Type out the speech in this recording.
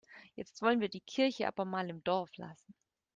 Jetzt wollen wir die Kirche aber mal im Dorf lassen.